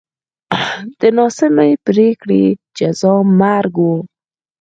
د ناسمې پرېکړې جزا مرګ و.